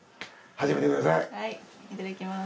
はいいただきます。